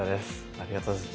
ありがとうございます。